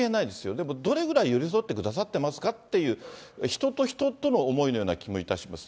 でもどれぐらい寄り添ってくださってますかという、人と人との思いのような気もいたします。